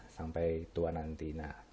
sampai tua nanti